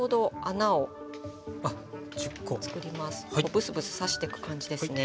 ブスブス刺していく感じですね。